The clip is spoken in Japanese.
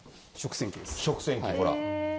食洗器、ほら。